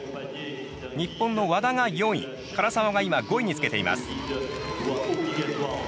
日本の和田が４位唐澤が今、５位につけています。